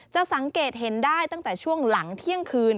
สังเกตเห็นได้ตั้งแต่ช่วงหลังเที่ยงคืน